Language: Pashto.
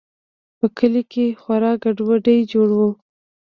په کلي کښې خورا گډوډي جوړه وه.